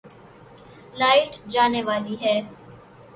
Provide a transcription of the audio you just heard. light جانے والی ہے